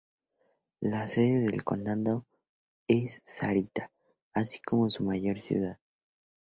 La sede del condado es Sarita, así como su mayor ciudad.